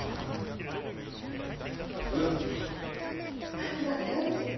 春日がよいと言った。